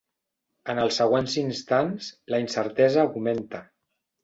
En els següents instants la incertesa augmenta.